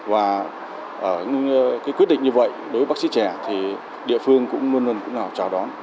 và quyết định như vậy đối với bác sĩ trẻ thì địa phương cũng luôn luôn chào đón